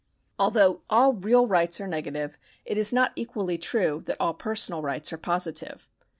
Although all real rights are negative, it is not equally true that all personal rights are positive.